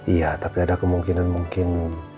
iya tapi ada kemungkinan mungkin